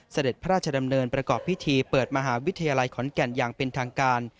เสด็จพระราชดำเนินประกอบพิธีเปิดมหาวิทยาลัยขอนแก่นอย่างเป็นทางการ